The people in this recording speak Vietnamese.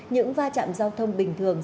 những va chạm giao thông bình thường